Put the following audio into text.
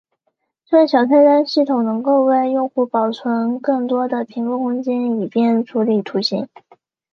这个小菜单系统能够为用户保存更多的屏幕空间以便处理图形。